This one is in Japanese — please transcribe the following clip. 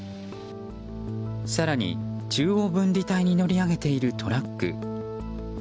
更に、中央分離帯に乗り上げているトラック。